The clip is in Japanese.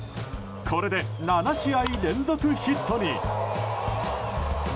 これで７試合連続ヒットに。